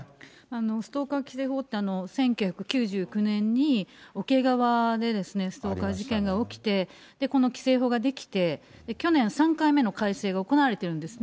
ストーカー規制法って、１９９９年に桶川でストーカー事件が起きて、この規制法が出来て、去年、３回目の改正が行われているんですね。